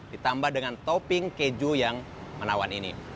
ditambah dengan topping keju yang menawan ini